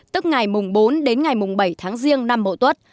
tức ngày mùng bốn đến ngày mùng bảy tháng riêng năm mộ tuất